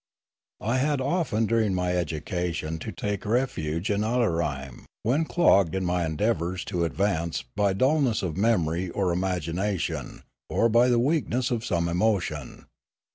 I had often during my edu cation to take refuge in Ilarime, when clogged in my endeavours to advance by dulness of memory or im agination or by the weakness of some emotion.